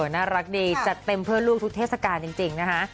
น่ารักดีจัดเต็มเพื่อลูกทุกเทศกาลจริงนะคะ